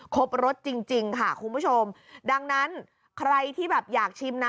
ครบรสจริงจริงค่ะคุณผู้ชมดังนั้นใครที่แบบอยากชิมนะ